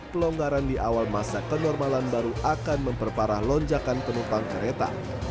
pelonggaran di awal masa kenormalan baru akan memperparah lonjakan penumpang kereta